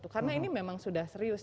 karena ini memang sudah serius